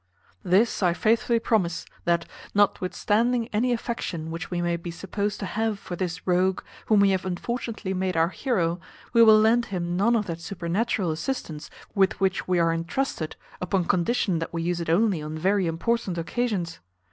This I faithfully promise, that, notwithstanding any affection which we may be supposed to have for this rogue, whom we have unfortunately made our heroe, we will lend him none of that supernatural assistance with which we are entrusted, upon condition that we use it only on very important occasions.